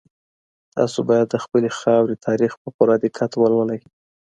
تاسو بايد د خپلي خاوري تاريخ په پوره دقت ولولئ.